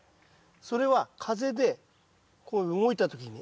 それは風でこう動いた時に。